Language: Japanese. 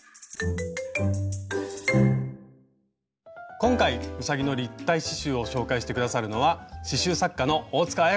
今回うさぎの立体刺しゅうを紹介して下さるのは刺しゅう作家の大あや子さんです。